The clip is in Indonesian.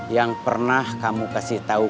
yang pernah kamu kasih tahu